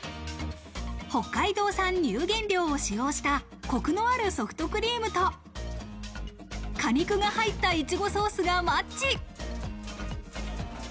北海道産乳原料を使用したコクのあるソフトクリームと、果肉が入ったいちごソースがマッチ。